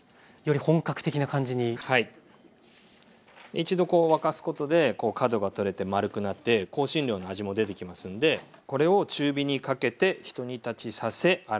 一度こう沸かすことで角が取れて丸くなって香辛料の味も出てきますんでこれを中火にかけてひと煮立ちさせ粗熱を取ります。